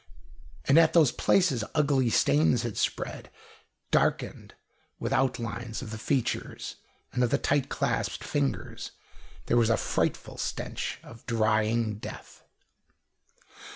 And at those places ugly stains had spread, darkened with outlines of the features and of the tight clasped fingers. There was a frightful stench of drying death.